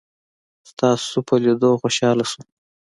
ستاسو په لیدلو خوشحاله شوم.